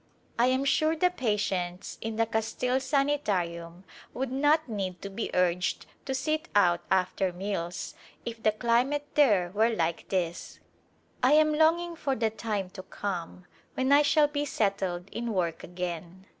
I am sure the patients A Glimpse of India in the Castile Sanitarium would not need to be urged to " sit out " after meals if the climate there were like this. I am lono ino; for the time to come when I shall be settled in work again.